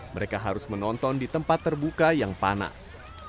mereka harus menonton di tempat terbuka yang panas